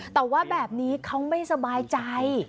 แต่ว่าแบบนี้เขาไม่สบายใจ